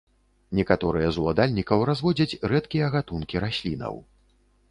Некаторыя з уладальнікаў разводзяць рэдкія гатункі раслінаў.